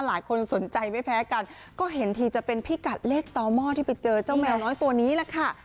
หลายคนสนใจไม่แพ้กันก็เห็นทีจะเป็นพี่กัดเลขต่อหม้อที่ไปเจอเจ้าแมวน้อยตัวนี้แหละค่ะ